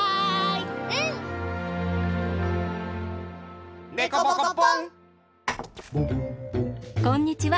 うん！こんにちは。